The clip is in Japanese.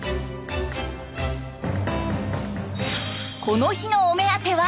この日のお目当ては。